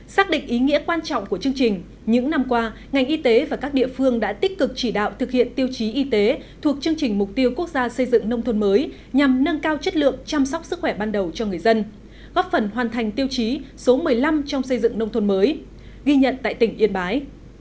xác định ý nghĩa quan trọng của chương trình những năm qua ngành y tế và các địa phương đã tích cực chỉ đạo thực hiện tiêu chí y tế thuộc chương trình mục tiêu quốc gia xây dựng nông thôn mới nhằm nâng cao chất lượng chăm sóc sức khỏe ban đầu cho người dân góp phần hoàn thành tiêu chí số một mươi năm trong xây dựng nông thôn mới ghi nhận tại tỉnh yên bái